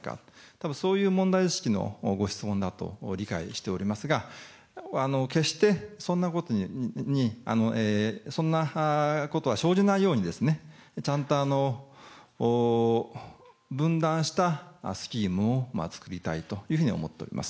たぶん、そういう問題意識のご質問だと理解しておりますが、決してそんなことに、そんなことは生じないように、ちゃんと分断したスキームを作りたいというふうに思っております。